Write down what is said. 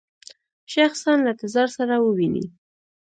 شخصاً له تزار سره وویني.